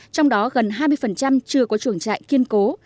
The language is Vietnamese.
trong đó gần hai mươi chưa có chuồng trại kiên cố